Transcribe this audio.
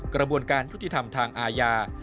กระบวนการยุติธรรมทางอาญา